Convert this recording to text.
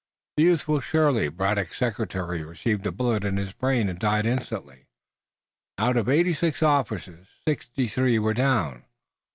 The youthful Shirley, Braddock's secretary, received a bullet in his brain and died instantly. Out of eighty six officers sixty three were down.